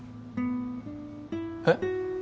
えっ？